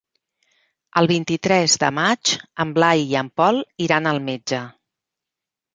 El vint-i-tres de maig en Blai i en Pol iran al metge.